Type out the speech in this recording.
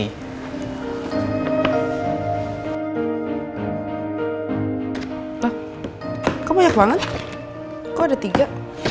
hah kamu banyak banget kok ada tiga